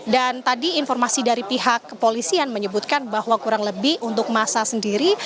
dan tadi informasi dari pihak kepolisian menyebutkan bahwa kurang lebih untuk masa sendiri